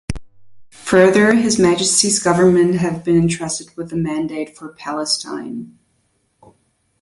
Further, His Majesty's Government have been entrusted with the Mandate for "Palestine".